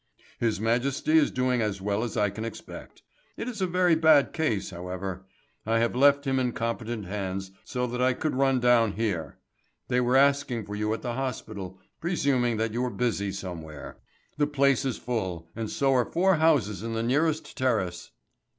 "His Majesty is doing as well as I can expect. It is a very bad case, however. I have left him in competent hands, so that I could run down here. They were asking for you at the hospital, presuming that you were busy somewhere. The place is full, and so are four houses in the nearest terrace."